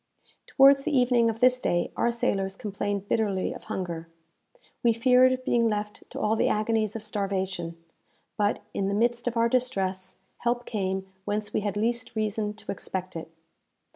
Towards the evening of this day our sailors complained bitterly of hunger. We feared being left to all the agonies of starvation; but, in the midst of our distress, help came whence we had least reason to expect it.